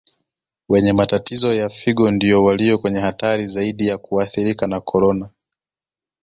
Wenye matatizo ya Figo ndiyo walio kwenye hatari zaidi ya kuathirika na Corona